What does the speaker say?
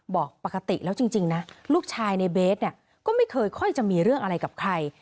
บอกปกติแล้วจริงนะลูกชายในเบสเนี่ยก็ไม่เคยค่อยจะมีเรื่องอะไรกับใคร